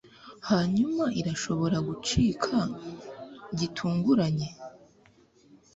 hanyuma, irashobora gucika gitunguranye